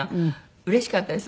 うれしかったです。